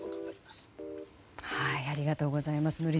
ありがとうございます。